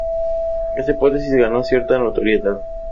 Esta hipótesis ganó cierta notoriedad.